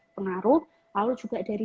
pengaruh lalu juga dari